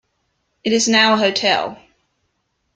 It is now a hotel.